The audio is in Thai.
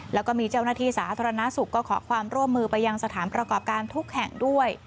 แล้วก็มีเจ้าหน้าที่สาธารณสุขก็ขอความร่วมมือไปยังสถานประกอบการทุกแห่งด้วย